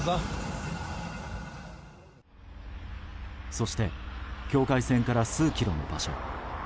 そして境界線から数キロの場所。